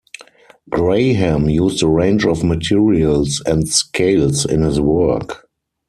Graham used a range of materials and scales in his work.